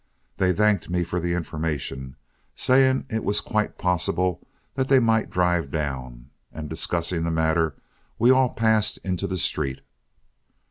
They thanked me for the information, saying it was quite possible that they might drive down, and discussing the matter we all passed into the street.